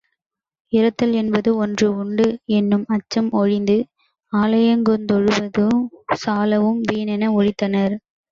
இறத்தல் என்பது ஒன்று உண்டு என்னும் அச்சம் ஒழிந்து, ஆலயங்தொழுவது சாலவும் வீணென ஒழித்தனர்.